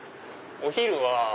お昼は。